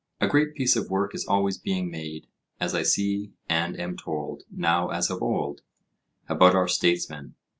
A great piece of work is always being made, as I see and am told, now as of old; about our statesmen.